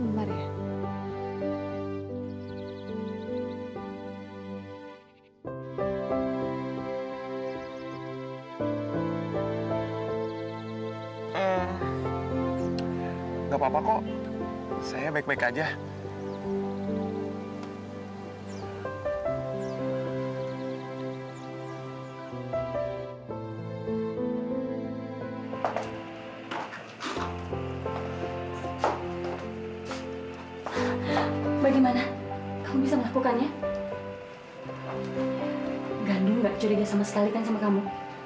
gandung gak curiga sama sekali kan sama kamu